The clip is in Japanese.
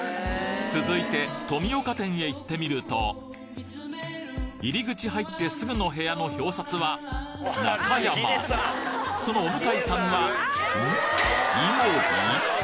続いて富岡店へ行ってみると入り口入ってすぐの部屋の表札は中山そのお向かいさんは井森？